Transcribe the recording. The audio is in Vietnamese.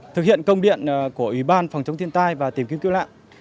thực hiện công điện của ủy ban phòng chống thiên tai và tìm kiếm cứu nạn